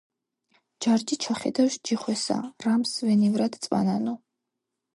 ჯარჯი ჩახედავს ჯიხვესა რა მსვენიერად წვანანო